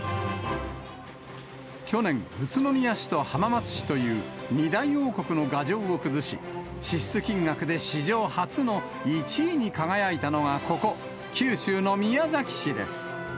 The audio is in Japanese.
去年、宇都宮市と浜松市という、２大王国の牙城を崩し、支出金額で史上初の１位に輝いたのがここ、九州の宮崎市です。